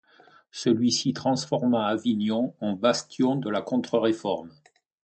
Celui-ci transforma Avignon en bastion de la Contre-Réforme.